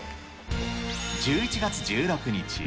１１月１６日。